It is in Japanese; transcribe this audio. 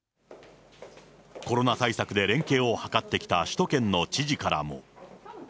コロナ対策で連携を図ってきた首都圏の知事からも。